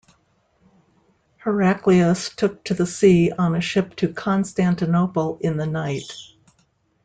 Heraclius took to the sea on a ship to Constantinople in the night.